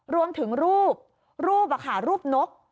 รวมถึงรูปรูปอะค่ะรูปนก